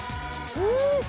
うん！